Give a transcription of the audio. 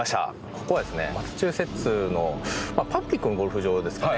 ここはですねマサチューセッツのパブリックのゴルフ場ですかね。